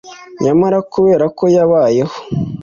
nyamara, kubera ko yabayeho,